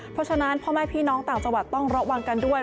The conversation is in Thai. เพราะฉะนั้นพ่อแม่พี่น้องต่างจังหวัดต้องระวังกันด้วย